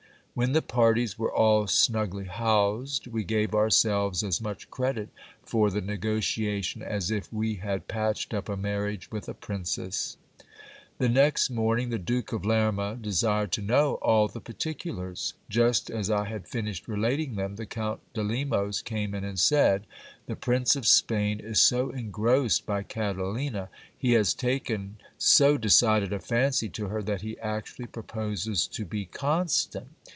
When the parties were all snugly housed, we gave ourselves as much credit for the negotiation as if we had patched up a marriage with a princess. The next morning the Duke of Lerma desired to know all the particulars. Just as I had finished relating them, the Count de Lemos came in and said — The Prince of Spain is so engrossed by Catalina ; he has taken so decided a fancy to her, that he actually proposes to be constant.